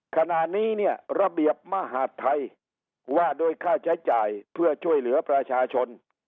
ขณะนี้เนี่ยระเบียบมหาดไทยว่าด้วยค่าใช้จ่ายเพื่อช่วยเหลือประชาชน